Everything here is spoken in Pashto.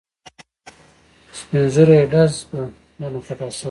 سپین ږیری یې ډز به درنه خطا شوی وي.